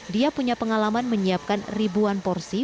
dia punya pengalaman menyiapkan ribuan porsi